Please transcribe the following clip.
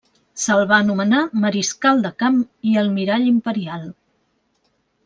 Se'l va anomenar Mariscal de Camp i Almirall Imperial.